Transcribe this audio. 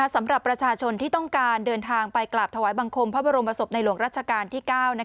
สำหรับประชาชนที่ต้องการเดินทางไปกราบถวายบังคมพระบรมศพในหลวงรัชกาลที่๙